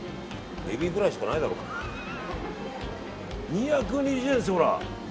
２２０円ですよ、ほら。